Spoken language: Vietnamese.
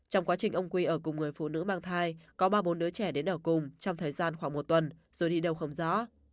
trong quá trình ông quy ở cùng người phụ nữ mang thai có ba bốn đứa trẻ đến ở cùng trong thời gian khoảng một tuần rồi đi đâu không rõ